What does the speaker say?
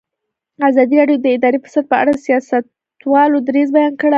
ازادي راډیو د اداري فساد په اړه د سیاستوالو دریځ بیان کړی.